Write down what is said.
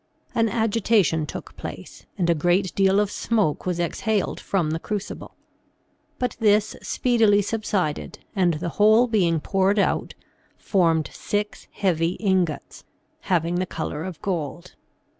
An agitation took place and a great deal of smoke was 88 THE SEVEN FOLLIES OF SCIENCE exhaled from the crucible; but this speedily subsided, and the whole being poured out, formed six heavy ingots, having the color of gold.